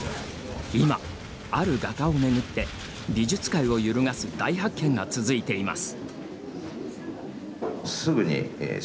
今、ある画家をめぐって美術界を揺るがす大発見が続いています。